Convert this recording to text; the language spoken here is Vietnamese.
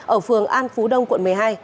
ở phường an phú đông quận một mươi hai